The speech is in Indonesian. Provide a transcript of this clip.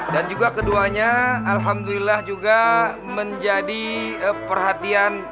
dan juga keduanya alhamdulillah juga menjadi perhatian